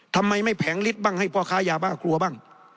ทำไมไม่แผงฤทธิบ้างให้พ่อค้ายาบ้ากลัวบ้าง